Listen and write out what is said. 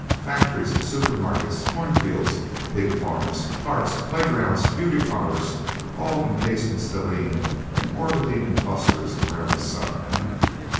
Factories, super markets, cornfields, pig farms, parks, playgrounds, beauty parlors, all encased in stellene, and orbiting in clusters around the sun, eh...?